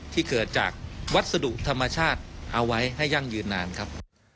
ที่เกิดจากวัสดุธรรมชาติเอาไว้ให้ยั่งยืนนานครับ